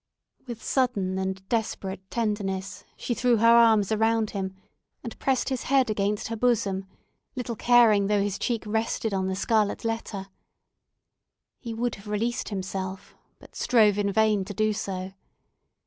With sudden and desperate tenderness she threw her arms around him, and pressed his head against her bosom, little caring though his cheek rested on the scarlet letter. He would have released himself, but strove in vain to do so.